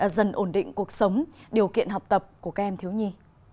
dần ổn định cuộc sống điều kiện học tập của các em thiếu nhi